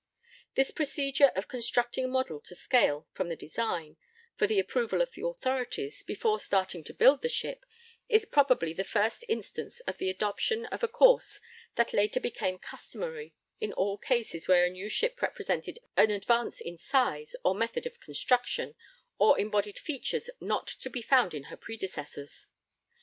This procedure of constructing a model to scale from the design, for the approval of the authorities, before starting to build the ship, is probably the first instance of the adoption of a course that later became customary in all cases where a new ship represented an advance in size, or method of construction, or embodied features not to be found in her predecessors.